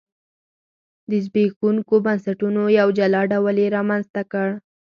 د زبېښونکو بنسټونو یو جلا ډول یې رامنځته کړ.